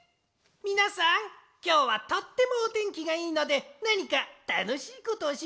みなさんきょうはとってもおてんきがいいのでなにかたのしいことをしませんか？